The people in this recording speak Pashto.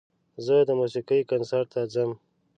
زه د موسیقۍ کنسرت ته ځم.